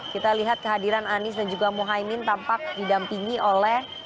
kita lihat kehadiran anies dan juga mohaimin tampak didampingi oleh